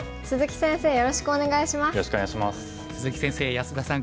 鈴木先生